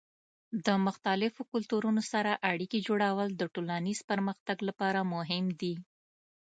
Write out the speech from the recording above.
د مختلفو کلتورونو سره اړیکې جوړول د ټولنیز پرمختګ لپاره مهم دي.